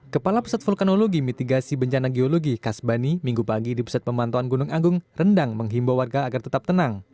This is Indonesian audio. kepala pusat vulkanologi mitigasi bencana geologi kasbani minggu pagi di pusat pemantauan gunung agung rendang menghimbau warga agar tetap tenang